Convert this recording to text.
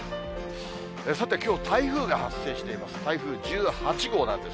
さて、きょう、台風が発生しています。